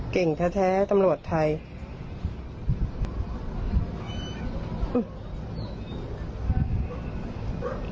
เก่งแท้ตำรวจไทย